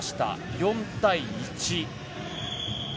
４対１。